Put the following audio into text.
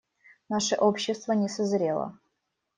Наше общество не созрело.